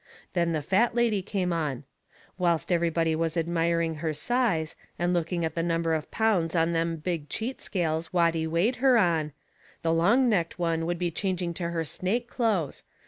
Then the fat lady come on. Whilst everybody was admiring her size, and looking at the number of pounds on them big cheat scales Watty weighed her on, the long necked one would be changing to her snake clothes.